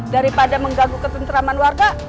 daripada menggaguk ketentraman warga